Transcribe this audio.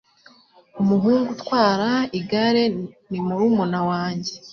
Umuhungu utwara igare ni murumuna wanjye.